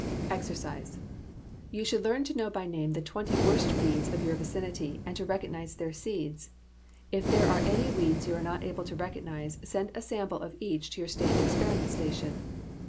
=EXERCISE= You should learn to know by name the twenty worst weeds of your vicinity and to recognize their seeds. If there are any weeds you are not able to recognize, send a sample of each to your state experiment station.